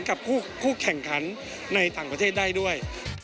กับคู่แข่งขันในต่างประเทศได้ด้วย